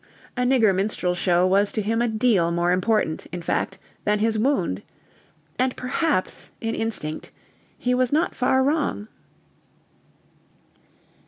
A nigger minstrel show was to him a deal more important, in fact, than his wound. And perhaps, in instinct, he was not far wrong.